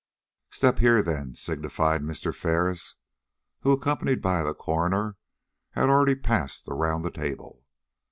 "Step here, then," signified Mr. Ferris, who, accompanied by the coroner, had already passed around the table.